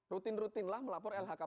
rutin rutinlah melapor lhkpn